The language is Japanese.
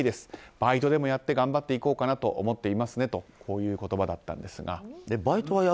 バイトでもやって頑張っていこうかなと思っていますねとこういう言葉だったんですが。